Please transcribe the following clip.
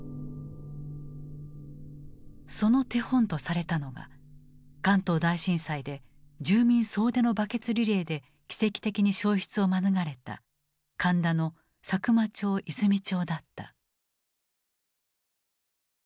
その手本とされたのが関東大震災で住民総出のバケツリレーで奇跡的に焼失を免れた神田の佐久間町・和泉町だった。